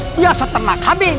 biasa dengan kami